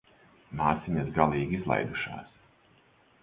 Māsiņas galīgi izlaidušās.